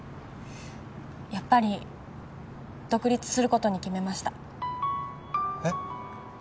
やっぱり独立することに決めましたえっ？